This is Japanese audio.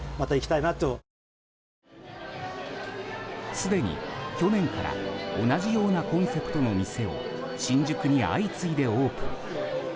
すでに去年から同じようなコンセプトの店を新宿に相次いでオープン。